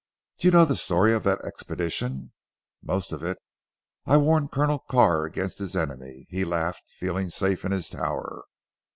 "Do you know the story of that expedition?" "Most of it. I warned Colonel Carr against his enemy. He laughed, feeling safe in his tower.